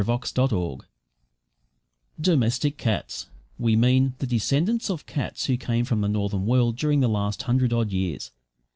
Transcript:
BUSH CATS "Domestic cats" we mean the descendants of cats who came from the northern world during the last hundred odd years.